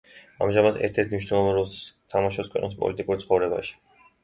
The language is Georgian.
ამჟამად ერთ-ერთ მნიშვნელოვან როლს თამაშობს ქვეყნის პოლიტიკურ ცხოვრებაში.